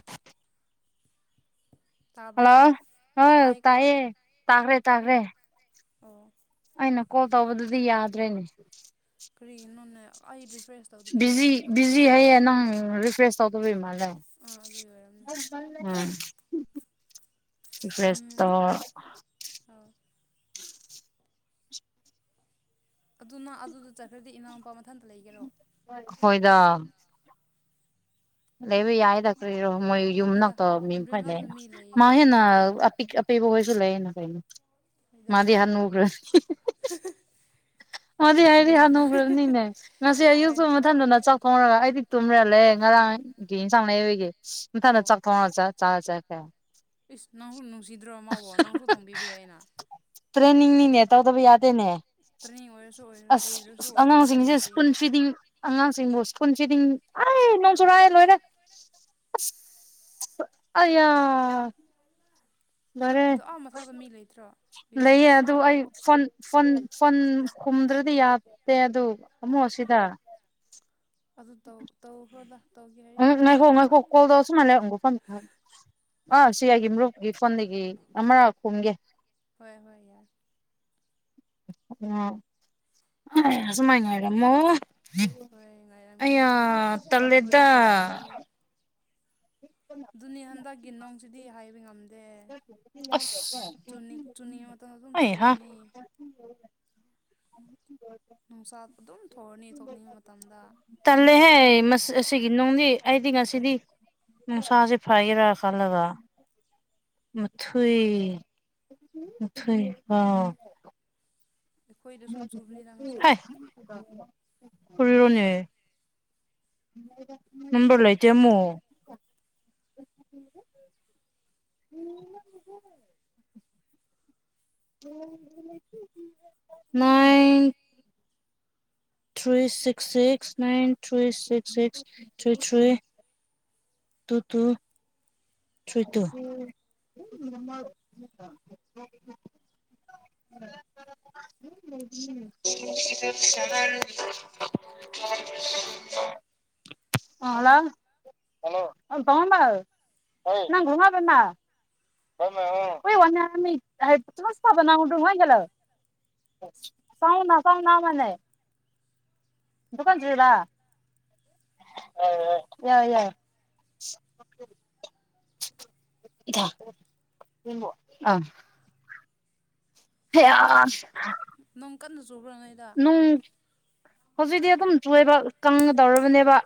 [inaudible] [inaudible] Hello ꯇꯥꯕ꯭ꯔꯣ ꯍ ꯇꯥꯏꯀꯣ ꯇꯥꯏꯌꯦ ꯇꯥꯀ꯭ꯔꯦ ꯇꯥꯥꯛ꯭ꯔꯦ ꯑꯣ ꯑꯣ ꯑꯩꯅ ꯀꯣꯜ ꯇꯧꯕꯗꯨꯗꯤ ꯌꯥꯗ꯭ꯔꯦꯅꯦ ꯀ꯭ꯔꯤꯟ ꯍ ꯑꯥꯏꯐꯦꯁ ꯕꯤ ꯕꯤꯖꯤ ꯍꯥꯏꯌꯦ ꯅꯪ ꯔꯤꯀ꯭ꯋꯦꯁ ꯇꯧꯗꯕꯩ ꯃꯥꯜꯂꯦ ꯑꯥ ꯑꯗꯨꯒꯤ ꯑꯣꯏꯔꯝꯅꯤ ꯎꯝ ꯏ ꯐ꯭ꯔꯦꯁꯇ ꯑꯥꯎ ꯑꯗꯨꯅ ꯑꯗꯨꯗ ꯆꯠꯈ꯭ꯔꯗꯤ ꯏꯅꯥꯎ ꯂꯄꯥ ꯃꯊꯟꯇ ꯂꯩꯒꯦꯔꯣ ꯍꯣꯏꯗ ꯂꯩ ꯂꯩꯕ ꯌꯥꯏꯗ ꯀ꯭ꯔꯔꯤꯔꯣ ꯃꯣꯏ ꯌꯨꯝ ꯍꯣꯏꯗ ꯅꯛꯇ ꯃꯤ ꯐ ꯔꯦꯝꯂꯥꯗ ꯂꯩꯦꯅ ꯃꯤ ꯃꯥ ꯂꯩꯕꯒꯤ ꯑꯣꯜꯂꯦ ꯍꯦꯅꯄꯤ ꯄꯤꯕꯒꯣꯏꯁꯤꯦ ꯏꯅ ꯀꯥꯏꯩꯅ ꯍꯣꯏꯗ ꯃꯥꯗꯤꯍꯥ ꯅꯨꯈ꯭ꯔꯥ ꯑꯗꯨꯗꯤ ꯍꯥꯏꯗꯤ ꯍꯥꯟꯅꯨꯈ꯭ꯔꯕꯅꯤꯅꯦ ꯉꯁꯤ ꯑꯌꯨ ꯍꯣꯏ ꯃꯊꯟꯗꯅ ꯊꯣꯡꯔꯒ ꯑꯩꯗꯤ ꯇꯨꯝꯃꯦꯦ ꯂꯩꯦ ꯉꯔꯥꯡꯒꯤ ꯏꯟꯁꯥꯡ ꯅꯥꯏꯕꯒꯤ ꯏꯊꯗ ꯑꯣ ꯆꯥꯛ ꯊꯣꯡꯔ ꯆꯠ ꯆ ꯆꯦ ꯈꯦ ꯏꯁ ꯅꯪꯁꯨ ꯅꯨꯡꯁꯤꯗ꯭ꯔꯣ ꯃꯥꯕꯣ ꯅꯪꯁꯨ ꯊꯣꯡꯕꯤꯕ ꯌꯥꯏ ꯑꯅ ꯇ꯭ꯔꯦꯅꯤꯡꯡꯅꯤꯅꯤ ꯇꯧꯗꯕ ꯌꯥꯗꯦꯅꯦ ꯇ꯭ꯔꯦꯅꯤꯡ ꯑꯣꯏꯔꯁꯨ ꯑꯁ ꯑꯣꯏꯗ꯭ꯔꯁꯨ ꯑꯣꯏꯗ꯭ꯔꯁꯨ ꯑꯉꯥꯡꯁꯤꯡꯁꯦ ꯁ꯭ꯀꯨꯜ ꯅꯨꯡꯁꯤꯌꯦꯕ ꯐꯤꯗꯤꯡ ꯑꯉꯥꯡꯁꯤꯡꯕꯨꯁ ꯀꯟꯁꯤꯗꯤ ꯑ ꯅꯣꯟꯁꯨꯨꯔ ꯂꯣꯏꯅ ꯑ ꯌꯥꯔꯦ ꯑꯗꯣ ꯑꯥ ꯃꯊꯛꯇ ꯃꯤ ꯂꯩꯇ꯭ꯔꯣ ꯌꯨꯝꯗ ꯂꯩꯌꯦ ꯑꯗꯨ ꯑꯥ ꯑꯩ ꯐꯣꯟ ꯐꯣꯟ ꯐꯟ ꯈꯨꯝꯗ꯭ꯔꯗꯤ ꯌꯥꯠꯇꯦ ꯑꯗꯨ ꯑꯃꯨꯛ ꯑꯁꯤꯗ ꯑꯗꯨ ꯇꯧ ꯇꯧꯈꯗ ꯎꯝ ꯍꯣ ꯉ ꯍꯣ ꯀꯣꯗꯧꯁꯨ ꯃꯥꯪꯒ ꯐ ꯑ ꯁꯤ ꯑꯩꯒꯤ ꯃꯔꯨꯞꯀꯤ ꯐꯣꯟꯗꯒꯤ ꯑꯃꯔꯥ ꯀꯣꯨꯝꯒꯦ ꯍꯣꯏ ꯍꯣꯏ ꯌꯥꯔ ꯎꯝ ꯑ ꯁꯃꯥꯏ ꯉꯥꯏꯔꯃꯣ ꯍꯣꯏ ꯉꯥꯏꯔꯝꯒꯤꯦ ꯇꯜꯂꯦꯗ ꯍꯣꯔꯦꯟ ꯆꯥꯎ ꯑꯗꯨꯅꯤ ꯍꯟꯗꯛꯀꯤ ꯅꯣꯡꯁꯤꯗꯤ ꯍꯥꯏꯕ ꯉꯝꯗꯦ ꯑ ꯑꯁ ꯆꯨꯅꯤꯡꯉ ꯃꯇꯝꯗ ꯑꯗꯨꯝ ꯆꯨꯔꯅꯤ ꯎ ꯅꯨꯡꯆꯥꯛ ꯑꯗꯨꯝ ꯊꯑꯅꯤ ꯊꯣꯛꯅꯤꯡꯕ ꯃꯇꯝꯗ ꯇꯜꯂꯦꯍꯦ ꯑꯁꯤꯒꯤ ꯅꯨꯡꯗꯤ ꯑꯩꯗꯤ ꯉꯁꯤꯗꯤ ꯅꯨꯡꯁꯥꯁꯦ ꯐꯒꯦꯔꯥ ꯈꯜꯂꯒ ꯃꯊꯣꯏ ꯃꯊꯣꯏ ꯑ ꯑꯩꯈꯣꯏꯗꯁꯨ ꯆꯨꯕꯅꯤꯗ ꯉꯁꯥꯏ ꯍꯔꯣꯅꯤ ꯍꯝꯕ ꯂꯩ ꯃꯨ ꯎ nine three six six nine three six six three three two ꯁꯣꯏꯠꯇ ꯎꯝ ꯎꯝꯝ ꯑ ꯍꯜꯂꯣꯣ ꯀꯃꯣꯟꯝꯕ ꯅꯪ ꯨꯃꯥꯕꯅ ꯍꯣꯏ ꯋꯥ ꯊꯁꯕꯅꯗ ꯍꯥꯏꯒꯂꯣ ꯆꯥꯎꯥꯎꯅꯥ ꯆꯥꯎꯥꯎꯅꯥ ꯃꯅꯦ ꯗꯨꯀꯥꯟ ꯆꯂ ꯌꯥꯏ ꯌꯥꯏ ꯏ ꯑꯥ ꯍ ꯅꯪ ꯀꯟꯅ ꯆꯨꯈ꯭ꯔꯣꯉꯩꯗ ꯍꯧꯖꯤꯛꯇꯤ ꯑꯗꯨꯝ ꯆꯣꯏꯕ ꯀꯪꯒꯗꯧꯔꯕꯅꯦꯕ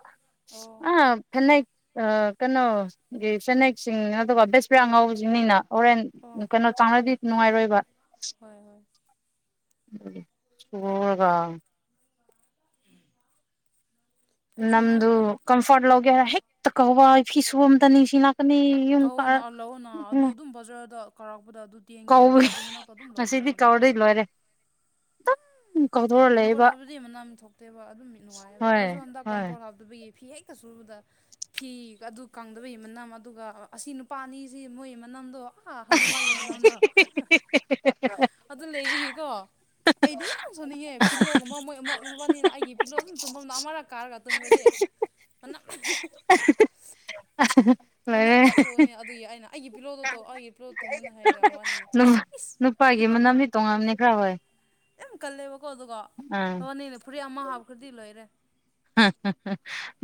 ꯑꯣ ꯑ ꯆꯅꯥ ꯑ ꯀꯩꯅꯣ ꯆꯦꯅꯦꯛꯁꯤꯡ ꯑꯗꯨꯒ ꯕꯦꯁꯄꯔꯥ ꯉꯥꯎꯁꯤꯡꯅꯤꯅ ꯑꯣꯔꯦꯟ ꯑꯣ ꯀꯩꯅꯣ ꯇꯥꯡꯅꯗꯤ ꯅꯨꯡꯉꯥꯏꯔꯣꯏꯕ ꯍꯣꯏ ꯍꯣꯏ ꯎ ꯎꯒ ꯑꯩꯁꯨ ꯅꯍꯥꯟ ꯅꯝꯗꯨ ꯐꯅꯤ ꯀꯝꯐꯣꯔꯠ ꯂꯧꯒꯦ ꯍꯥꯏꯔ ꯍꯦꯛꯇ ꯀꯧꯕ ꯏ ꯐꯤ ꯁꯨꯕ ꯑꯝꯇ ꯅꯤꯡꯁꯤꯡ ꯂꯥꯛꯀꯅꯤ ꯀꯧꯑꯣꯅ ꯑꯂꯧꯅꯥ ꯑꯗꯨ ꯑꯗꯨꯝ ꯕꯖꯥꯔꯗ ꯀꯥꯔꯛꯄꯗ ꯑꯗꯨ ꯇꯦꯟ ꯀꯦꯒꯤ ꯀꯧꯏ ꯑꯗꯨ ꯃꯅꯥꯛꯇ ꯑꯗꯨꯝ ꯂꯧꯕ ꯉꯁꯤꯗꯤ ꯌꯥꯏꯅ ꯀꯧꯗꯣꯏ ꯂꯣꯏꯔꯦ ꯑꯗꯨꯝ ꯀꯝꯄꯣꯔꯠ ꯍꯥꯏꯕꯗꯤ ꯃꯅꯥ ꯃꯤ ꯊꯣꯛꯦꯕ ꯑꯗꯨꯝ ꯃꯤ ꯅꯨꯡꯉꯥꯏꯑꯕ ꯍꯣꯏ ꯑꯩꯈꯣꯏꯁꯨ ꯍꯟꯗꯛ ꯍꯣꯏ ꯀꯝꯄꯣꯔꯠ ꯑꯗꯨꯕꯨꯒꯤ ꯐꯤ ꯍꯦꯛꯀ ꯁꯨꯕꯗ ꯐꯤꯒ ꯑꯗꯨ ꯀꯪꯗꯕꯩ ꯃꯅꯝ ꯑꯗꯨꯒ ꯑꯁꯤ ꯅꯨꯄꯥ ꯑꯅꯤꯁꯤ ꯃꯣꯏ ꯃꯅꯝꯗꯣ ꯍꯥ ꯍꯅꯨꯚꯌꯥ ꯃꯅ ꯍꯗ ꯑꯗꯨ ꯂꯩꯕꯒꯤꯀꯣ ꯑꯩꯗꯤ ꯌꯥꯝ ꯁꯣꯟꯅꯤꯡꯉꯦ ꯄꯤꯜꯂꯣꯒꯨꯝꯕ ꯃꯣꯏ ꯑꯃꯅꯤꯅ ꯑꯩꯒꯤ ꯄꯤꯂꯣ ꯑꯗꯨꯝ ꯇꯨꯝꯐꯝꯅ ꯑꯃꯔꯛ ꯀꯥꯔꯒ ꯇꯨꯝꯈꯣꯏꯗꯤ ꯍꯅ ꯑ ꯅꯝ ꯂꯥꯏꯅ ꯊꯣꯛꯑꯅꯤ ꯑꯗꯨꯒꯤ ꯑꯩꯅ ꯑꯩ ꯄꯤꯂꯣꯠꯇꯣ ꯇꯧ ꯑꯩꯒꯤ ꯄꯤꯂꯣꯨ ꯃꯨꯟꯅ ꯍꯔꯑꯝꯕꯅ ꯅꯨꯄꯥꯒꯤ ꯃꯅꯝꯗꯤ ꯇꯣꯡꯉꯝꯅꯤ ꯈꯔ ꯍꯣꯏ ꯌꯥꯝ ꯀꯜꯂꯦꯕꯀꯣ ꯑꯗꯨꯒꯣ ꯑꯥ ꯍ ꯅꯅꯦ ꯐꯨꯔꯤꯠ ꯑꯃ ꯍꯥꯞꯈ꯭ꯔꯗꯤ ꯂꯣꯏꯔꯦ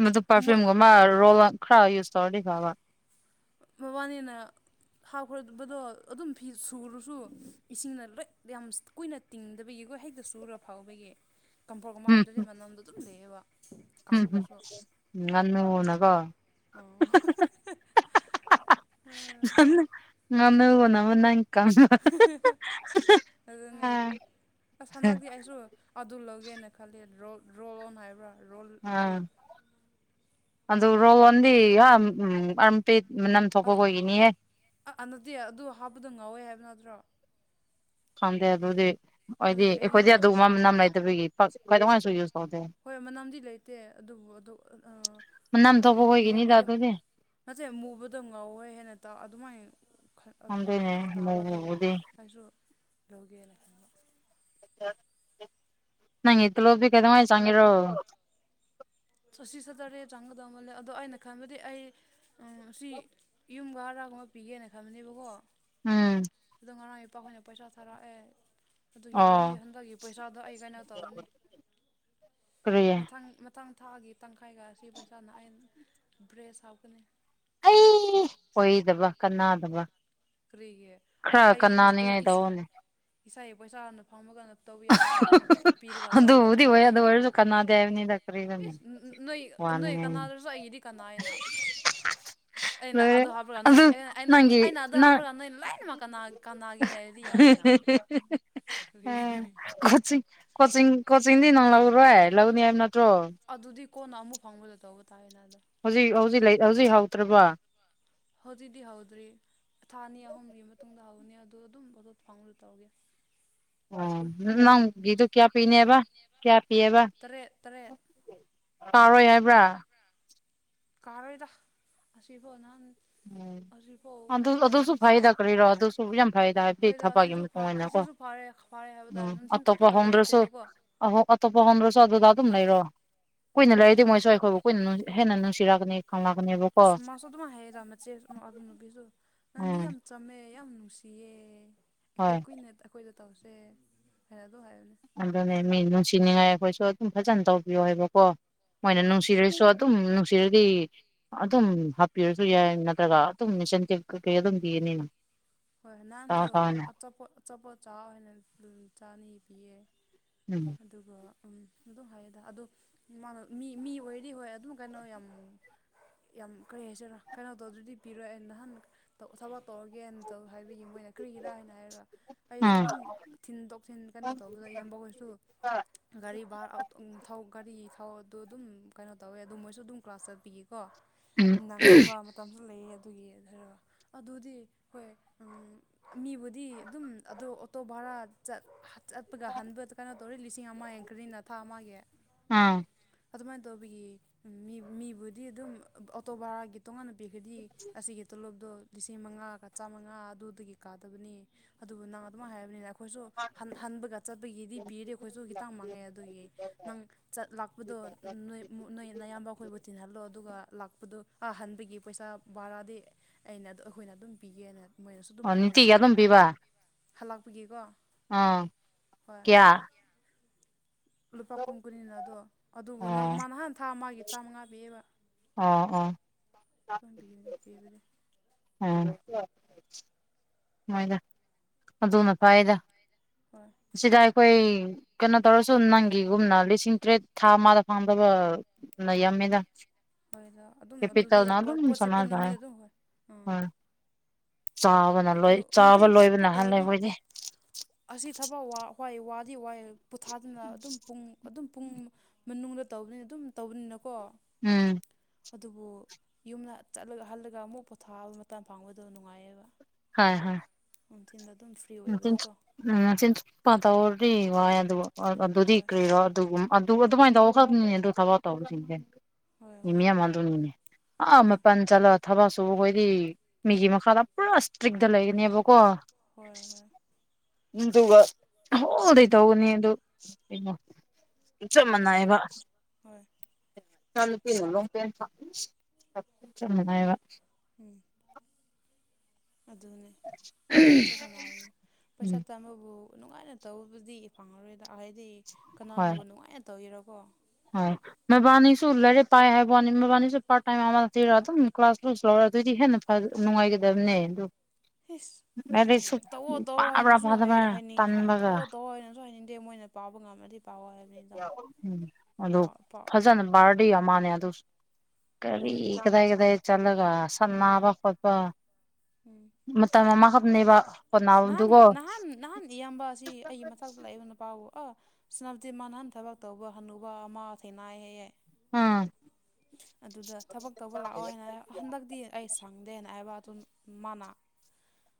ꯃꯗꯨ ꯃꯣꯠ ꯄꯥꯔꯐ꯭ꯌꯨꯝꯒꯨꯝꯕ ꯔꯣꯜ ꯈꯔ ꯌꯨꯁ ꯇꯧꯔꯗꯤ ꯐꯕ ꯃ ꯋꯥꯅꯤꯅ ꯍꯥꯎꯈ꯭ꯔꯕꯗꯣ ꯑꯗꯨꯝ ꯐꯤ ꯁꯨꯔꯁꯨ ꯏꯁꯤꯡꯅ ꯂꯦꯛ ꯌꯥꯝ ꯀꯨꯏꯅ ꯇꯤꯡꯗꯕꯒꯤꯒꯣꯏ ꯍꯦꯛꯇ ꯁꯨꯔ ꯐꯥꯎꯕꯒꯤ ꯀꯝꯐꯣꯔꯒ ꯍꯥꯞꯇꯗꯤ ꯃꯅꯝꯗꯣ ꯑꯗꯨꯝ ꯂꯩꯌꯦꯕ ꯎꯝꯝ ꯅꯟꯅ ꯎꯅꯒꯣ ꯑꯣ [inaudible] ꯉꯝꯕꯣ ꯅ ꯃ ꯅꯪ ꯀꯪꯕ ꯑꯗꯨꯅꯦ ꯑꯁ ꯍꯟꯗꯛꯇꯤ ꯑꯩꯁꯨ ꯑꯗꯨ ꯂꯧꯒꯦꯅ ꯈꯜꯂꯦ ꯔꯣꯜ ꯑꯣꯟ ꯍꯥꯏꯕ꯭ꯔꯥ ꯔꯣꯜ ꯑ ꯀꯔꯤ ꯑꯗꯨꯗ ꯔꯣ ꯎ ꯄꯦꯠ ꯅꯝ ꯊꯣꯛꯄ ꯀ ꯑꯣꯏꯈꯤꯅꯤꯍ ꯑ ꯅꯠꯇꯦ ꯑꯗꯨ ꯍꯥꯞꯄꯗꯣ ꯉꯥꯎꯋꯦ ꯍꯥꯏꯕ ꯅꯠꯇ꯭ꯔꯣ ꯈꯪꯗꯦ ꯑꯗꯨꯗꯤ ꯍꯥꯏꯗꯤ ꯑꯗꯨꯒꯤ ꯑꯩ ꯑꯩꯈꯣꯏꯗꯤ ꯑꯗꯨꯒꯨꯝꯕ ꯅꯝ ꯂꯩꯇꯕꯒꯤꯋꯥꯁꯨ ꯌꯨ ꯍꯣꯏ ꯃꯅꯝꯗꯤ ꯂꯩꯇꯦ ꯑꯗꯨꯕꯨ ꯑꯗꯣ ꯃꯅꯝ ꯊꯣꯛꯄ ꯈꯣꯏꯒꯤꯅꯤꯗ ꯃꯨꯕꯗꯣ ꯑꯗꯨꯗꯤ ꯅꯠꯇꯦ ꯃꯨꯕꯗ ꯉꯥꯎꯋꯦ ꯍꯦꯟꯅ ꯇꯥꯛ ꯑꯗꯨꯃꯥꯏꯅ ꯍꯗꯦꯅꯦ ꯃꯨꯗꯤ ꯑꯗꯨꯁꯨꯁꯨ ꯂꯒꯦꯅ ꯈ ꯅ ꯏꯠꯇ ꯂ ꯄ ꯀꯗꯃ ꯆꯥꯡꯉꯔꯣ ꯆꯁꯤ ꯆꯠ ꯇꯔꯦꯠ ꯆꯪꯒꯗꯧꯃꯜꯂ ꯑꯗꯣ ꯑꯩꯅ ꯈꯟꯕꯗꯤ ꯑꯩ ꯁꯤ ꯌꯨꯝꯒ ꯑꯥꯒꯨꯝꯕ ꯄꯤꯒꯦꯅ ꯈꯕꯅꯦꯕꯀꯣ ꯎꯝ ꯑꯣ ꯉꯔꯥꯡ ꯏꯄꯥꯈꯣꯏꯅ ꯄꯩꯁꯥ ꯊꯥꯔꯛꯑꯦ ꯑꯗꯨꯒꯤ ꯑꯩꯗꯤ ꯑꯣ ꯍꯟꯗꯛꯀꯤ ꯄꯩꯁꯥꯗꯣ ꯑꯩ ꯀꯩꯅꯣ ꯇꯧꯔꯅꯤ ꯀꯔꯤ ꯃꯊꯪ ꯃꯊꯥꯡ ꯊꯥꯒꯤ ꯇꯪꯈꯥꯏꯒ ꯑꯁꯤ ꯄꯩꯁꯥꯅ ꯑꯥꯏꯟ ꯕ꯭ꯔꯦꯁ ꯍꯥꯞꯀꯅꯤ ꯑꯣꯏ ꯗꯕ ꯀꯅꯥ ꯗꯕ ꯀ꯭ꯔꯤꯒꯦ ꯑꯩ ꯑꯩ ꯑꯩ ꯇꯧꯑꯣꯅꯦ ꯏꯁꯥ ꯄꯁꯥꯅ ꯐꯃ ꯀꯥꯟꯗ ꯇꯧꯕ ꯌꯥꯏꯅ ꯅ ꯑꯩꯅ ꯄꯤꯔꯒ ꯑꯗꯨꯕꯨꯗꯤ ꯇꯧꯒꯗꯕꯁꯨ ꯑꯣꯏ ꯅꯠꯇꯦ ꯑꯗꯨ ꯑꯣꯏꯔꯁꯨ ꯀꯅꯥꯗꯦ ꯍꯥꯏꯕꯅꯤꯗ ꯀꯔꯤꯔꯅꯦ ꯑꯦꯁ ꯅꯣꯏ ꯅꯣꯏ ꯋꯥꯅꯤꯡꯉꯥꯏꯅꯤ ꯀꯅꯥꯗꯔꯁꯨ ꯑꯩꯒꯤꯗꯤ ꯀꯅꯥ ꯍꯥꯏꯅ ꯑꯩꯅ ꯂꯣꯏꯔꯦ ꯑꯗꯨ ꯍꯥꯕ꯭ꯔ ꯅꯣꯏ ꯑꯗꯨ ꯑꯩꯅ ꯅꯪꯒꯤ ꯑꯩꯅ ꯑꯗꯨ ꯅꯪ ꯍꯥꯏ ꯕꯔꯥ ꯅꯣꯏ ꯂꯥꯏꯅ ꯀꯅꯒꯤ ꯍꯥꯏꯔꯗꯤ ꯌꯥꯔꯣꯏꯅ ꯀꯔꯤ꯫ ꯀꯣꯆꯤꯡ ꯀꯣꯆꯤꯡ ꯀꯣꯆꯤꯡꯗꯤ ꯅꯪ ꯂꯧꫪꯣꯏ ꯂꯧꯅꯤ ꯍꯥꯏꯕ ꯅꯠꯇ꯭ꯔꯣ ꯑꯗꯨꯗꯤ ꯀꯣꯟꯅ ꯑꯃꯨꯛ ꯐꯪꯕꯗꯣ ꯇꯧꯕ ꯇꯥꯋꯦꯅ ꯑꯗꯣ ꯍꯧꯖꯤꯛ ꯍꯧꯖꯤꯛ ꯍꯧꯖꯤꯛ ꯍꯥꯎꯇꯔꯕ ꯍꯧꯖꯤꯛꯗꯤ ꯍꯧꯗ꯭ꯔꯤ ꯊꯥ ꯑꯅꯤ ꯑꯍꯨꯝꯒꯤ ꯃꯇꯨꯡꯗ ꯍꯧꯅꯤ ꯑꯗꯨ ꯑꯗꯨꯝ ꯑꯗꯨ ꯐꯪꯗ ꯇꯧꯒꯦ ꯑꯣ ꯅꯪꯒꯤꯗꯨ ꯀꯌꯥ ꯄꯤꯅꯦꯕ ꯀꯌꯥ ꯄꯤꯌꯦꯕ ꯇꯔꯦꯠ ꯇꯔꯦꯠ ꯇꯥꯔꯣꯏ ꯍꯥꯏꯕ꯭ꯔꯥ ꯀꯥꯔꯣꯏꯗ ꯑꯁꯤꯕꯣ ꯅꯍꯥꯟ ꯎꯝ ꯑꯁꯤ ꯐꯥꯎ ꯑꯗꯨ ꯑꯗꯨꯁꯨ ꯑꯁꯤ ꯐꯩꯗ ꯁꯨꯀꯥꯎꯔ‌ꯦꯏ ꯀꯔꯤꯔꯣ ꯑꯗꯨꯁꯨ ꯌꯥꯝ ꯐꯩꯗ ꯍꯥꯏꯕꯗꯤ ꯍꯣꯏꯗ ꯊꯕꯛꯀꯤ ꯑꯁꯤꯁꯨ ꯐ ꯃꯇꯨꯡ ꯏꯟꯅꯀꯣ ꯑꯁꯤꯁꯨ ꯐꯔꯦ ꯈꯔꯦ ꯍꯥꯏꯕ ꯎꯝ ꯇꯔ‌ꯦ ꯅꯨꯡꯊꯤꯜꯆꯨ ꯑꯇꯣꯞꯄ ꯍꯣꯝꯗ꯭ꯔꯁꯨ ꯑ ꯑꯇꯣꯞꯄ ꯍꯣꯗ꯭ꯔꯁꯨ ꯑꯗꯨꯗ ꯑꯗꯨꯝ ꯂꯩꯔꯣ꯫ ꯀꯨꯏꯅ ꯍꯣꯏ ꯂꯩꯔꯗꯤ ꯃꯣꯏꯁꯨ ꯑꯩꯈꯣꯏꯕꯨ ꯀꯨꯏꯅ ꯍꯦꯟꯅ ꯅꯨꯡꯁꯤꯔꯛꯀꯅꯤ ꯈꯪꯂꯛꯒꯅꯦꯕ ꯑꯁ ꯃꯁꯨ ꯑꯗꯨꯃꯥꯏ ꯍꯥꯌꯦꯗ ꯃꯆꯦ ꯑꯗꯨꯅꯕꯤꯗꯨ ꯅꯪꯗꯤ ꯎꯝ ꯌꯥꯝ꯫ ꯆꯝꯃꯦ ꯌꯥꯝ ꯅꯨꯡꯁꯤꯌꯦ ꯍꯣꯏ ꯑꯩꯈꯣꯏ ꯀꯨꯏꯅ ꯑꯩꯈꯣꯏꯗ ꯇꯥꯎꯁꯦ ꯐꯦꯔꯗꯨ ꯍꯥꯏꯅꯦ꯫ ꯑꯗꯨꯅꯦ ꯃꯤ ꯅꯨꯡꯁꯤꯅꯤꯡꯉꯥꯏ ꯑꯩꯈꯣꯏꯁꯨ ꯑꯗꯨꯝ ꯐꯖꯅ ꯇꯧꯕꯤꯌꯣ ꯍꯥꯏꯕꯀꯣ ꯃꯣꯏꯅ ꯍꯣꯏ ꯅꯨꯡꯁꯤꯔꯁꯨ ꯑꯗꯨꯝ ꯅꯨꯡꯁꯤꯔꯗꯤ ꯑꯗꯨꯝ ꯍꯥꯞꯄꯤꯔꯁꯨ ꯌꯥꯏ ꯅꯠꯇ꯭ꯔꯒ ꯑꯗꯨꯝꯁꯟ ꯀꯩꯀꯩ ꯑꯗꯨꯝ ꯄꯤꯅꯤꯅ ꯍꯣꯏ ꯅꯍꯥꯟꯁꯨ ꯑꯆꯥꯄꯣꯠ ꯑꯆꯥꯄꯣꯠꯆꯥ ꯑꯣꯏꯅ ꯆꯥꯅꯤ ꯕꯤꯌꯦ ꯎꯝ ꯑꯗꯨꯒ ꯎ ꯑꯗꯨ ꯍꯥꯏꯌꯦꯗ ꯑꯗꯣ ꯃꯥ ꯃꯤ ꯃꯤ ꯑꯣꯏꯔꯤ ꯍꯣꯏ ꯑꯗꯨꯝ ꯀꯩꯅꯣ ꯌꯥꯝ ꯌꯥꯝ ꯀꯔꯤ ꯍꯥꯏꯁꯤꯔ ꯀꯩꯅꯣ ꯇꯧꯗꯔꯗꯤ ꯄꯤꯔꯣꯏ ꯑꯩ ꯅꯍꯥꯟ ꯊꯕꯛ ꯇꯧꯔꯒꯦꯅꯧ ꯍꯥꯏꯕꯒꯤ ꯃꯣꯏꯅ ꯀꯔꯤꯒꯤꯔꯥ ꯍꯥꯏꯅ ꯍꯥꯏꯔꯒ ꯑꯩꯁꯨ ꯎꯝ ꯑꯗꯨꯝ ꯊꯤꯟ ꯇꯣꯛ ꯊꯤꯟ ꯀꯩꯅꯣ ꯇꯧꯕꯗꯣ ꯏꯌꯥꯝꯕꯈꯩꯁꯨ ꯑ ꯒꯥꯔꯤ ꯚꯥꯔ ꯊꯧ ꯒꯥꯔꯤ ꯊꯧ ꯑꯗꯨ ꯑꯗꯨꯝ ꯀꯩꯅꯣ ꯇꯧꯋꯦ ꯑꯗꯨ ꯃꯣꯏꯁꯨ ꯑꯗꯨꯝ ꯀ꯭ꯂꯥꯁ ꯆꯠꯄꯤꯌꯦꯀꯣ ꯎꯝ ꯅꯪꯗꯕ ꯃꯇꯝꯁꯨ ꯂꯩꯌꯦ ꯑꯗꯨꯒꯤꯔ ꯑꯗꯨꯗꯤ ꯍꯣꯏ ꯃꯤꯕꯨꯗꯤ ꯑꯗꯨꯝ ꯑꯗꯣ ꯑꯣꯇꯣ ꯚꯔꯥ ꯆꯠ ꯆꯄꯒ ꯍꯟꯕꯗ ꯀꯩꯅꯣ ꯇꯧꯔꯤ ꯂꯤꯁꯤꯡ ꯑꯃ ꯌꯥꯡꯈꯩꯅ ꯊꯥ ꯑꯃꯒꯤ꯫ ꯑꯥ ꯑꯗꯨꯃꯥꯏꯅ ꯇꯧꯕꯤꯒꯤ ꯃꯤ ꯃꯤꯕꯨꯗꯤ ꯑꯗꯨꯝ ꯑꯣꯇꯣ ꯚꯔꯥꯒꯤ ꯇꯣꯉꯥꯟꯅ ꯄꯤꯈꯗꯤ ꯑꯁꯤꯒꯤ ꯇꯣꯂꯣꯞꯇꯣ ꯂꯤꯁꯤꯡ ꯃꯉꯥꯒ ꯆꯥꯝꯃꯉꯥ ꯑꯗꯨꯗꯒꯤ ꯀꯥꯗꯕꯅꯤ ꯑꯗꯨꯕꯨ ꯅꯪ ꯑꯗꯨꯝ ꯍꯥꯏꯔꯕꯅꯤꯅ ꯑꯩꯈꯣꯏꯁꯨ ꯍꯟꯕꯒ ꯆꯠꯄꯒꯤꯗꯤ ꯄꯤꯔ ꯑꯩꯈꯣꯏꯁꯨ ꯈꯤꯇꯥꯡ ꯃꯥꯡꯉꯦ ꯑꯗꯨꯒꯤ ꯅꯪ ꯆꯠ ꯂꯥꯛꯄꯗꯣ ꯅꯣꯏ ꯅꯌꯥꯝꯕ ꯑꯩꯈꯣꯏꯕꯨ ꯇꯤꯟꯍꯜꯂꯣ ꯑꯗꯨꯒ ꯂꯥꯛꯄꯗ ꯑꯍꯟꯕꯒꯤ ꯄꯩꯁꯥ ꯕꯥꯔꯥꯗꯤ ꯑꯩꯅ ꯑꯩꯈꯣꯏꯅ ꯑꯗꯨꯝ ꯄꯤꯒꯦꯅ ꯃꯣꯏꯅꯁꯨ ꯑꯗꯨꯝ ꯑꯣ ꯅꯨꯡꯇꯤꯒꯤ ꯄꯤꯌꯦꯕꯀꯣ ꯑꯗꯨꯝ ꯄꯤꯕ ꯍꯜꯂꯥꯛꯄꯒꯤꯀꯣ꯫ ꯑꯥ ꯀꯌꯥ ꯂꯨꯄꯥ ꯀꯨꯟ ꯀꯨꯟꯅꯤꯅ ꯑꯗꯣ ꯑꯗꯨꯕꯨ ꯅ ꯑꯣ ꯃꯥ ꯅꯍꯥꯟ ꯊꯥ ꯃꯥꯒꯤ ꯆꯥꯝꯃꯉꯥ ꯄꯤꯌꯦꯕ ꯑꯣ ꯑꯣ ꯄꯥꯝꯕꯤꯌꯨꯅꯦ ꯀꯤꯕꯗꯦ ꯑꯝ꯫ ꯃꯣꯏꯖ ꯑꯗꯨꯅ ꯐꯥꯏꯗ ꯍꯣꯏ ꯁꯤꯗ ꯑꯩꯈꯣꯏ ꯀꯩꯅꯣ ꯇꯧꯔꯁꯨ ꯅꯪꯒꯤꯒꯨꯝꯅ ꯂꯤꯁꯤꯡ ꯇꯔꯦꯠ ꯊꯥ ꯑꯃꯗ ꯐꯪꯗꯕ꯫ ꯌꯥꯝꯃ‌ꯦꯗꯥ ꯍꯣꯏꯗ ꯑꯗꯨꯝ ꯑꯗꯨꯗꯤ ꯍꯣꯏ ꯄꯣꯠꯁꯤ ꯁꯅꯥ ꯄꯨꯟ ꯇꯥꯏ ꯅꯨꯃꯤꯠ ꯑꯗꯨꯝ ꯍꯣꯏ ꯑꯥ ꯍꯣꯏ ꯆꯥꯕꯅ ꯂꯣꯏ ꯆꯥꯕ ꯅꯨꯡꯊꯤꯟ ꯆꯨꯞꯄ ꯂꯣꯏꯕꯅꯍꯜꯂꯦ ꯇꯧꯔꯗꯤ ꯑꯣꯏꯗꯤ ꯑꯁꯤ ꯊꯕꯛ ꯋꯥꯗꯤ ꯋꯥ ꯄꯣꯊꯥꯗꯨꯅ ꯑꯗꯨꯝ ꯄꯨꯡ ꯑꯗꯨꯝ ꯄꯨꯡ ꯃꯅꯨꯡꯗ ꯇꯧꯕꯅꯤꯅ ꯑꯗꯨꯝ ꯇꯧꯕꯅꯤꯅꯀꯣ ꯎꯝ ꯑꯗꯨꯕꯨ ꯌꯨꯝꯗ ꯆꯠꯂꯒ ꯍꯜꯂꯒ ꯑꯃꯨꯛ ꯄꯣꯊꯥꯕ ꯃꯇꯝ ꯐꯪꯕꯗꯣ ꯅꯨꯡꯉꯥꯏꯌꯦꯕ ꯍꯣꯏ ꯍꯣꯏ ꯎ ꯆꯤꯟꯗ ꯑꯗꯨꯝ ꯐ꯭ꯔꯤ ꯑꯣꯏꯕꯗꯣꯀꯣ ꯎ ꯎꯝ ꯆꯤꯟꯊꯨꯞ ꯄ ꯇꯧꯗꯤ ꯋꯥꯏ ꯑꯗꯨ ꯑꯗꯨꯗꯤ ꯍꯣꯏ ꯀ꯭ꯔꯤꯔꯣ ꯑꯗꯨꯒꯨꯝ꯫ ꯑ ꯑꯗꯨ ꯑꯗꯨꯃꯗ ꯈꯔꯃꯤꯗ ꯊꯕ ꯇꯧꯕꯁꯤꯡꯁꯦ ꯍꯣꯏ ꯍꯣꯏ [unintelligible] ꯑꯥ ꯍꯣꯏ ꯃꯄꯥꯟ ꯆꯠꯂꯥ ꯊꯕꯛꯁꯨꯕ ꯑꯩꯈꯣꯏꯗꯤ ꯃꯤꯒꯤ ꯃꯈꯥꯗ ꯄꯨꯔꯥ ꯏꯁꯇ꯭ꯔꯤꯛꯗ ꯂꯩꯒꯅꯦꯕꯀꯣ ꯍꯣꯏ ꯍꯣꯏ ꯅꯤꯡꯗꯨꯒ ꯍꯣꯜꯗ‌ꯩ ꯇꯧꯒꯅꯤ ꯑꯗꯨ ꯀꯩꯅꯣ ꯆꯞ ꯍꯣꯏꯗ ꯃꯥꯟꯅꯩꯑꯕ꯫ ꯍꯣꯏ [unintelligible] ꯆꯞꯃꯟꯅꯩ ꯑꯕ ꯎꯝ ꯑꯗꯨꯅꯦ ꯆꯞ ꯃꯥꯟꯅꯕꯅꯤ꯫ ꯄꯩꯁꯥ ꯎꯝ ꯇꯥꯟꯕꯕꯨ ꯅꯨꯡꯉꯥꯏꯅ ꯇꯧꯕꯕꯨꯗꯤ ꯐꯪꯉꯔꯣꯏꯗ ꯍꯥꯏꯗꯤ ꯀꯅꯥꯅꯕꯨ ꯅꯨꯡꯉꯥꯏꯅ ꯇꯧꯕꯤꯔꯔꯕꯣ ꯍ [unintelligible] ꯃꯦꯕꯥꯅꯤꯁꯨ ꯂꯥꯏꯔꯤꯛ ꯄꯥꯏ ꯍꯥꯏꯕ ꯋꯥꯅꯤ ꯃꯦꯕꯥꯅꯤꯁꯨ ꯄꯥꯔꯠ ꯇꯥꯏꯝ ꯑꯃꯗ ꯊꯤꯔ ꯑꯗꯨꯝ ꯀ꯭ꯂꯥꯁ ꯂꯣꯏ ꯂꯧꯔ ꯑꯗꯨꯏꯗꯤ ꯍꯦꯟꯅ ꯅꯨꯡꯉꯥꯏꯒꯗꯕꯅꯦ ꯑꯗꯨ ꯏꯁ ꯂꯥꯏꯔꯤꯛꯁꯨ ꯇꯧꯑꯣ ꯇꯧꯑꯣ ꯄꯥꯕ꯭ꯔꯥ ꯍꯥꯏꯅꯁꯨ ꯐꯥꯗꯕ꯭ꯔꯥ ꯍꯥꯏꯅꯤꯡ ꯇꯟꯕꯒ ꯇꯧꯑꯣ ꯇꯧꯑꯣ ꯍꯥꯏꯅꯁꯨ ꯍꯥꯏꯅꯤꯡꯗꯦ ꯃꯣꯏꯅ꯫ ꯄꯥꯎꯕ ꯉꯝꯝꯕꯗꯤ ꯄꯥꯎ ꯍꯥꯏꯕꯅꯤ ꯎꯝ ꯑꯗꯨ ꯐꯖꯅ ꯕꯥꯔꯗ ꯃꯥꯜꯦ ꯑꯗꯨ ꯀꯔꯤ ꯍꯣꯏ ꯀꯗꯥꯏ ꯀꯗꯥꯏ ꯆꯠꯂꯒ ꯁꯟꯅꯥꯕ ꯈꯣꯠꯄ ꯎꯝ ꯃꯇꯝꯃꯥ ꯍꯥꯞꯅꯦꯕ ꯅꯍꯥꯟ ꯅꯍꯥꯟ ꯅꯍꯥꯟ ꯏꯌꯥꯝꯕ ꯑꯁꯤ ꯑꯩꯒꯤ ꯃꯊꯛꯇ ꯂꯩꯕ ꯅꯨꯄꯥꯕꯨ ꯑꯣ [unintelligible] ꯃꯥ ꯅꯍꯥꯟ ꯊꯕꯛ ꯇꯧꯕ ꯍꯥꯟꯅꯨꯕ ꯑꯃ ꯊꯦꯡꯅꯥꯏ ꯍꯥꯏꯌꯦ ꯎꯝ ꯑꯗꯨꯗ ꯊꯕꯛ ꯇꯧꯕ ꯂꯥꯛꯑꯣ ꯍꯥꯏꯅ ꯍꯟꯗꯛꯇꯤ ꯑꯩ ꯁꯪꯗꯦ ꯑꯅ ꯍꯥꯏꯕ ꯑꯗꯨꯝ ꯃꯟꯅꯥ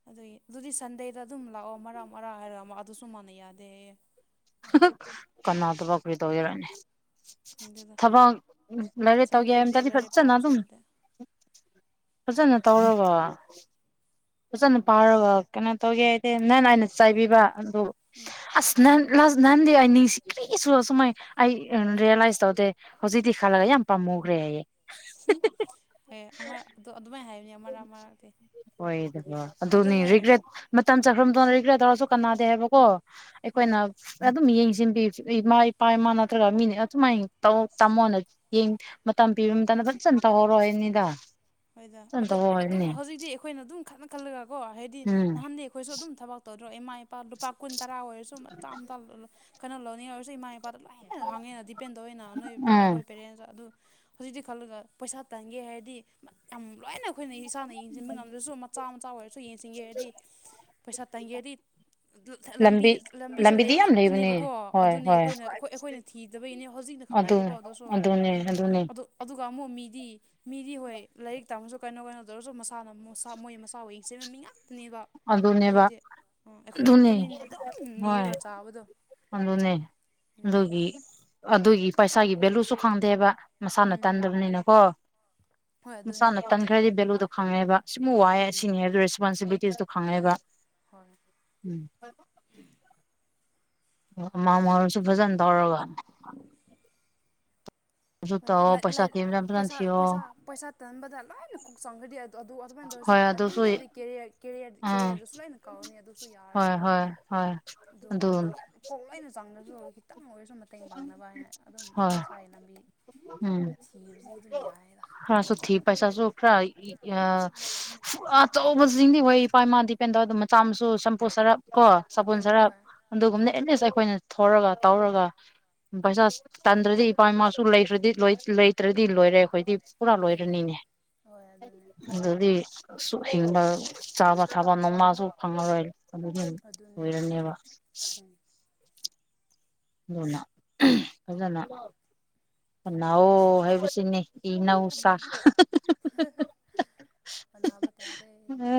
ꯑꯗꯨꯏ ꯑꯗꯨꯗꯤ ꯁꯟꯗꯦꯗ ꯑꯗꯨꯝ ꯂꯥꯛꯑꯣ ꯃꯔꯛ ꯃꯔꯥ ꯍꯥꯏꯔꯒ ꯑꯃ ꯑꯗꯨꯁꯨ ꯃꯥꯟꯅ ꯌꯥꯗꯦ ꯍꯥꯏꯌꯦ ꯍꯥ ꯍꯥ ꯀꯅꯥꯗꯕꯛ ꯀꯔꯤ ꯇꯧꯒꯦꯔꯅ‌ꯦ ꯈꯪꯗꯦꯗ ꯊꯕꯛ ꯂꯥꯏꯔꯤꯛ ꯁꯟꯗꯦꯁꯤ ꯇꯧꯒꯦꯝꯗꯔꯗꯤ ꯂꯥꯏꯔꯤꯛ ꯐꯖꯥꯅ ꯄꯥꯕꯁꯨ ꯑꯗꯨꯝ ꯅꯠꯇꯦ ꯐꯖꯅ ꯇꯧꯔꯒ ꯐꯖꯅ ꯄꯥꯔꯒ ꯀꯩꯅꯣ ꯇꯧꯒꯦ ꯍꯥꯏꯗꯦ ꯅꯅ ꯑꯩꯅ ꯆꯩꯕꯤꯕ ꯑꯗꯨ ꯑꯁ ꯅꯍꯥꯟ ꯍꯥꯁ ꯅꯍꯥꯟꯗꯤ ꯑꯩ ꯅꯤꯡꯁꯤ ꯀꯔꯤꯁꯨ ꯑꯁꯨꯃꯥꯏ ꯑꯩ ꯔꯤꯌꯦꯜꯂꯥꯏꯁ ꯇꯧꯗꯦ ꯍꯧꯖꯤꯛꯇꯤ ꯈꯜꯂꯥꯒ ꯌꯥꯝ ꯄꯤꯃꯨꯒ꯭ꯔꯦ ꯍꯥꯏꯌꯦ ꯍꯨꯝ ꯑꯦ ꯑꯃ ꯑꯗꯣ ꯑꯗꯨꯃꯥꯏ ꯍꯥꯏ ꯍꯣꯏꯗ ꯑꯗꯨꯒ ꯑꯗꯨ ꯑꯗꯨꯅꯤ ꯍꯣꯏ ꯔꯤꯒ꯭ꯔꯦꯠ ꯃꯇꯝ ꯆꯠꯈꯔꯥ ꯃꯇꯨꯝ ꯔꯤꯒꯔꯦꯠ ꯇꯧꯔꯁꯨ ꯀꯅꯥꯗꯦ ꯍꯥꯏꯕꯀꯣ ꯍꯣꯏ ꯑꯩꯈꯣꯏꯅ ꯑꯗꯨꯝ ꯌꯦꯡꯁꯤꯟꯕꯤ ꯏꯃꯥ ꯏꯄꯥ ꯏꯃꯥ ꯅꯠꯇ꯭ꯔꯒ ꯃꯤꯅꯥ ꯑꯗꯨꯃꯥꯏꯅ ꯇꯧ ꯇꯝꯃꯣꯅ ꯌꯦꯡ ꯃꯇꯝ ꯄꯤꯕ ꯃꯇꯝꯗ ꯐꯖꯅ ꯇꯧꯍꯧꯔꯣ ꯍꯥꯏꯅꯤꯗ ꯍꯣꯏꯗ ꯑꯗꯣ ꯑꯗꯨꯝ ꯍꯧꯖꯤꯛꯇꯤ ꯑꯩꯈꯣꯏꯅ ꯑꯗꯨꯝ ꯈꯠꯅ ꯈꯜꯂꯒꯀꯣ ꯍꯥꯏꯗꯤ ꯎꯝ ꯅꯍꯥꯟꯗꯤ ꯑꯩꯈꯣꯏꯁꯨ ꯑꯗꯨꯝ ꯊꯕꯛ ꯇꯧꯗ꯭ꯔꯣ ꯏꯃꯥ ꯏꯄꯥ ꯂꯨꯄꯥ ꯀꯨꯟ ꯇꯔꯥ ꯑꯣꯏꯔꯁꯨ ꯃꯆꯥꯝꯇ ꯀꯟꯅ ꯂꯅꯤꯡ ꯑꯣꯏꯔꯁꯨ ꯏꯃꯥ ꯅꯨꯄꯥꯗ ꯂꯥꯏ ꯍꯥꯡꯉꯦꯅ ꯗꯤꯄꯦꯟ ꯇꯧꯋꯦꯅ ꯅꯣꯏ ꯎꯝ ꯑꯩꯈꯣꯏ ꯄꯦꯔꯦꯟꯁꯇ ꯑꯗꯨ ꯍꯧꯖꯤꯛꯇꯤ ꯈꯜꯂꯒ ꯄꯩꯁꯥ ꯇꯟꯒꯦ ꯍꯥꯏꯔꯗꯤ ꯌꯥꯝ ꯂꯥꯏꯅ ꯑꯩꯈꯣꯏꯅ ꯏꯁꯥꯅ ꯊꯤꯟꯕ ꯉꯝꯗ꯭ꯔꯁꯨ ꯃꯆꯥ ꯃꯆꯥ ꯑꯣꯏꯔꯁꯨ ꯌꯦꯡꯁꯤꯟꯒꯦ ꯍꯥꯏꯔꯗꯤ ꯄꯩꯁꯥ ꯇꯥꯟꯒꯦꯔꯗꯤ ꯑꯥ ꯂꯝꯕꯤ ꯂꯝꯕꯤꯗ ꯂꯝꯕꯤꯁꯦ ꯂꯝꯕꯤꯗꯤ ꯂꯩꯕ ꯌꯥꯝ ꯂꯩꯕꯅꯦ ꯉꯥꯛꯇꯅꯦꯕꯀꯣ ꯍꯣꯏ ꯑꯗꯨꯅꯤ ꯍꯣꯏ ꯑꯩꯈꯣꯏꯅꯣꯏ ꯑꯩꯈꯣꯏꯅ ꯊꯤꯗꯕꯩꯅꯦ ꯍꯧꯖꯤꯛꯅ ꯑꯗꯨ ꯈꯪꯉꯦꯕꯀꯣ ꯑꯗꯨꯁꯨ ꯑꯗꯨꯅꯦ ꯑꯗꯨꯅꯦ ꯑꯗꯣ ꯑꯗꯨꯒ ꯑꯃꯨꯛ ꯃꯤꯗꯤ ꯃꯤꯗꯤ ꯍꯣꯏ ꯂꯥꯏꯔꯤꯛ ꯇꯝꯃꯁꯨ ꯀꯩꯅꯣ ꯀꯩꯅꯣ ꯇꯧꯔꯁꯨ ꯃꯁꯥꯅ ꯃꯁꯥ ꯃꯣꯏ ꯃꯁꯥꯕꯨ ꯌꯦꯡꯁꯤꯟꯕ ꯃꯤ ꯉꯥꯛꯇꯅꯤꯕ ꯑꯗꯨꯅꯦꯕ ꯍꯧꯖꯤꯛꯇꯤ ꯑ ꯑꯩꯈꯣꯏ ꯑꯗꯨꯅꯦ ꯉꯥꯛꯇꯅꯤꯅꯦ ꯑꯗꯨꯝ ꯍꯣꯏ ꯅꯤꯔꯒ ꯆꯥꯕꯗꯣ ꯑꯗꯨꯅꯦ ꯎꯝ ꯑꯗꯨꯒꯤ ꯑꯗꯨꯒꯤ ꯄꯩꯁꯥꯒꯤ ꯚꯦꯂꯨꯁꯨ ꯈꯪꯗꯦꯕ ꯃꯁꯥꯅ ꯎꯝ ꯇꯥꯟꯗꯕꯅꯤꯅꯀꯣ ꯍꯣꯏ ꯑꯗꯨꯅꯦ ꯃꯁꯥꯅ ꯇꯟꯈ꯭ꯔꯗꯤ ꯚꯦꯂꯨꯗꯣ ꯈꯪꯉꯦꯕ ꯁꯤꯃꯨꯛ ꯋꯥꯏꯑꯦ ꯎꯝ ꯁꯤꯅꯦꯗꯣ ꯔꯦꯁꯄꯣꯟꯁꯤꯕꯤꯂꯤꯇꯤꯁꯇꯨ ꯈꯪꯉꯦꯕ ꯍꯣꯏ ꯎꯝ ꯃꯥꯛ ꯋꯥꯡꯂꯁꯨ ꯐꯖꯟ ꯇꯧꯔꯒ ꯑꯗꯨ ꯇꯧꯑꯣ ꯄꯩꯁꯥ ꯊꯤꯕꯅ ꯐꯖꯅ ꯄꯩꯁ ꯊꯤꯌꯣ ꯄꯩꯁꯥ ꯄꯩꯁꯥ ꯇꯩꯟꯕꯗ ꯂꯣꯏꯅ ꯀꯣꯛ ꯆꯥꯎꯅꯔꯤ ꯑꯗꯨ ꯑꯗꯨ ꯑꯗꯨꯃꯥꯏꯅ ꯇꯧꯔꯁꯤ ꯍꯣꯏ ꯑꯗꯨꯁꯨ ꯑꯗꯨꯃꯥꯏꯅ ꯇꯧꯔꯗꯤ ꯀꯦꯔꯤꯌꯔ ꯀꯦꯔꯤꯌꯔ ꯑꯥ ꯀꯦꯔꯤꯌꯔꯗꯁꯨ ꯂꯣꯏ ꯀꯥꯎꯔꯅꯤ ꯑꯗꯨꯁꯨ ꯌꯥꯔ ꯍꯣꯏ ꯍꯣꯏ ꯍꯣꯏ ꯑꯗꯨ ꯌꯥꯝꯃꯦ ꯀꯣꯛ ꯂꯣꯢꯅ ꯆꯪꯉꯁꯨ ꯈꯤꯇꯪ ꯑꯣꯏꯔꯁꯨ ꯃꯇꯦꯡ ꯄꯥꯡꯅꯕ ꯍꯥꯏꯅ ꯑꯗꯨꯝ ꯍꯣꯏ ꯏꯁꯥꯏ ꯂꯝꯕꯤ ꯎꯝ ꯊꯤꯕꯁꯤ ꯑꯗꯨꯝ ꯌꯥꯏꯌꯦꯕ [unintelligible] ꯄꯩꯁꯥꯁꯨ ꯈꯔ ꯑꯆꯧꯕꯁꯤꯡꯗꯤ ꯍꯣꯏ ꯏꯄꯥ ꯏꯃꯥꯗꯩ ꯀꯩꯅꯣ ꯇꯧꯋꯦ ꯑꯗꯨꯝ ꯃꯆꯥ ꯃꯁꯨ ꯁꯝꯄꯨ ꯁꯔꯞ ꯀꯣ ꯁꯥꯄꯣꯟ ꯑꯗꯨꯅꯦ ꯁꯔꯞ ꯍꯣꯏ ꯑꯗꯨꯒꯨꯝꯅ ꯎꯝ ꯑꯦꯠꯂꯤꯁ ꯑꯩꯈꯣꯏꯅ ꯊꯣꯔꯒ ꯇꯧꯔꯒ ꯄꯩꯁꯥ ꯇꯟꯗ꯭ꯔꯗꯤ ꯏꯄꯥ ꯏꯃꯥꯁꯨ ꯂꯩꯇ꯭ꯔꯗꯤ ꯂꯩꯇ꯭ꯔꯗꯤ ꯂꯣꯏꯔꯦ ꯑꯩꯈꯣꯏꯗꯤ ꯄꯨꯔꯥ ꯑꯗꯨꯅꯦ ꯂꯣꯏꯔꯅꯤꯅꯦ ꯍꯣꯏ ꯑꯗꯨꯅꯦ ꯑꯗꯨꯗꯤ ꯍꯤꯡꯕ ꯆꯥꯕ ꯊꯥꯕ ꯅꯣꯡꯃꯥꯁꯨ ꯐꯪꯉꯔꯣꯏ ꯑꯗꯨꯗ‌ꯣ ꯑꯗꯨꯅꯦ ꯍꯣꯏ ꯂ‌ꯣꯏꯔꯅꯤꯕ ꯎꯝ ꯑꯗꯨꯅ ꯐꯖꯅ ꯍꯣꯠꯅꯧꯋꯣ ꯍꯥꯏꯕꯁꯤꯅꯤ ꯏꯅꯧ ꯁꯥ ꯎꯝ ꯑꯅꯥꯕ ꯇꯥꯔꯦ [unintelligible]